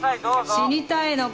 死にたいのか？